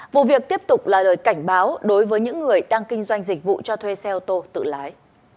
vụ việc tiếp tục là lời cảnh báo đối với những người đang kinh doanh dịch vụ cho thuê xe ô tô tự lái